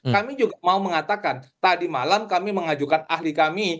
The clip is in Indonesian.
kami juga mau mengatakan tadi malam kami mengajukan ahli kami